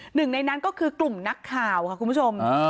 หนึ่งในนั้นก็คือกลุ่มนักข่าวค่ะคุณผู้ชม